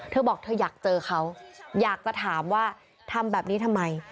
เธอบอกเธออยากเจอเขาอยากจะถามว่าทำแบบนี้ทำไม